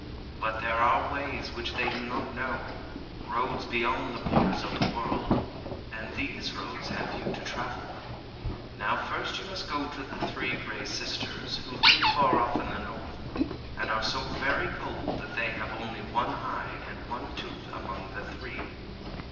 But there are ways which they do not know, roads beyond the borders of the world. And these roads have you to travel. Now first you must go to the Three Gray Sisters, who live far off in the north, and are so very cold that they have only one eye and one tooth among the three.